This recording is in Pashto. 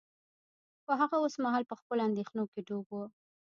خو هغه اوس مهال په خپلو اندیښنو کې ډوب و